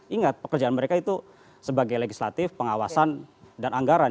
ingat pekerjaan mereka itu sebagai legislatif pengawasan dan anggaran